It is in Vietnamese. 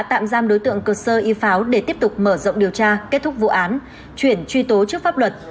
hãy đăng ký kênh để ủng hộ kênh của mình nhé